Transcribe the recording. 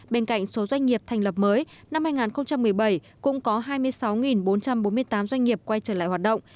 bên cạnh số doanh nghiệp thành lập mới năm hai nghìn một mươi bảy cũng có hai mươi sáu bốn trăm bốn mươi tám doanh nghiệp quay trở lại hoạt động